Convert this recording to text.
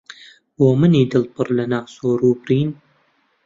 بۆ منی دڵ پڕ لە ناسۆر و برین